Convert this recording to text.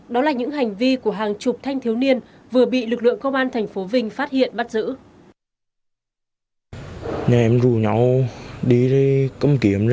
đó là những hành vi của hàng chục thanh thiếu niên vừa bị lực lượng công an tp vinh phát hiện bắt giữ